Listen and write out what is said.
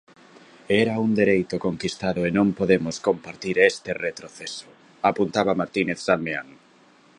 Era un dereito conquistado e non podemos compartir este retroceso, apuntaba Martínez Salmeán.